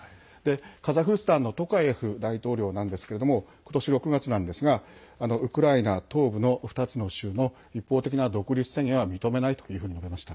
カザフスタンのトカエフ大統領なんですけれども今年６月なんですがウクライナ東部の２つの州の一方的な独立宣言は認めないというふうに述べました。